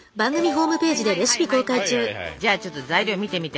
はいはいじゃあちょっと材料見てみて。